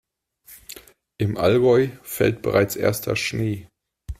Im Allgäu fällt bereits erster Schnee.